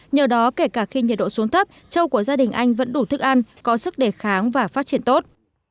nhờ đó kể cả khi nhiệt độ xuống thấp trâu của gia đình anh vẫn đủ thức ăn có sức đề kháng và phát triển tốt